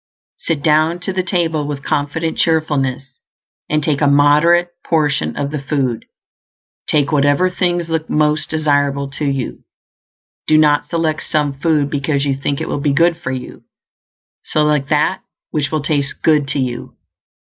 Sit down to the table with confident cheerfulness, and take a moderate portion of the food; take whatever thing looks most desirable to you. Do not select some food because you think it will be good for you; select that which will taste good to you.